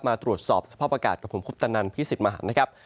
มาตรวจสอบสภาพอากาศกับผมคุปตนันพี่สิทธิ์มหันนะครับ